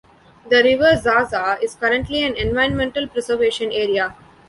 The river Zaza is currently an environmental preservation area.